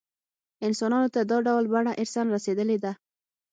انسانانو ته دا ډول بڼه ارثاً رسېدلې ده.